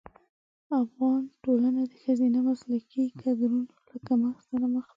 افغان ټولنه د ښځینه مسلکي کدرونو له کمښت سره مخ ده.